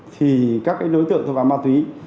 thì các cái đối tượng tội phạm ma túy